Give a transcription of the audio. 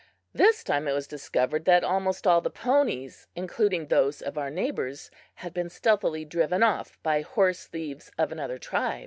This time it was discovered that almost all the ponies, including those of our neighbors, had been stealthily driven off by horse thieves of another tribe.